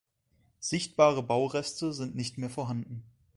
Sichtbare Baureste sind nicht mehr vorhanden.